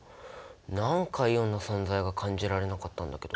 なんかイオンの存在が感じられなかったんだけど。